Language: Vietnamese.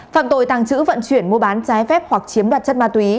phạm tội tàng trữ vận chuyển mua bán trái phép hoặc chiếm đoạt chất ma túy